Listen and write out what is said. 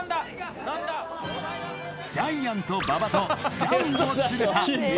ジャイアント馬場とジャンボ鶴田。